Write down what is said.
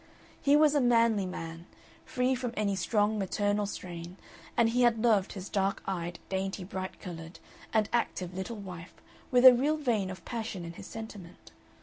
He was a manly man, free from any strong maternal strain, and he had loved his dark eyed, dainty bright colored, and active little wife with a real vein of passion in his sentiment.